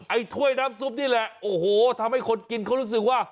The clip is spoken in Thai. ถ้วยน้ำซุปนี่แหละโอ้โหทำให้คนกินเขารู้สึกว่า